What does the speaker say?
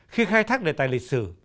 khi khai thác đề tài lịch sử